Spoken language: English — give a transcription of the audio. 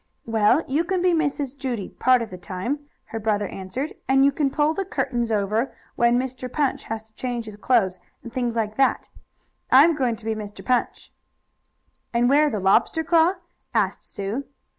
"Well, you can be Mrs. Judy part of the time," her brother answered, "and you can pull the curtains over when Mr. Punch has to change his clothes, and things like that. I'm going to be Mr. Punch." "And wear the lobster claw?" asked Sue.